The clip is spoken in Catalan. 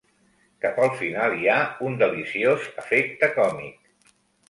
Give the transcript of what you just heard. Cap al final hi ha un deliciós efecte còmic.